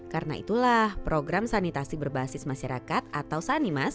karena itulah program sanitasi berbasis masyarakat atau sanimas